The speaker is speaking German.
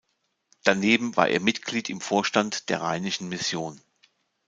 Daneben war er Mitglied im Vorstand der Rheinischen Mission.